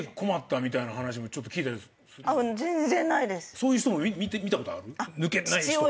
そういう人も見たことある？